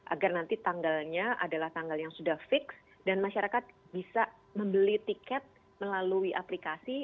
agar nanti tanggalnya adalah tanggal yang sudah fix dan masyarakat bisa membeli tiket melalui aplikasi